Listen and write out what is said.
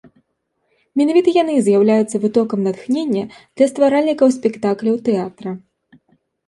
Менавіта яны з'яўляюцца вытокам натхнення для стваральнікаў спектакляў тэатра.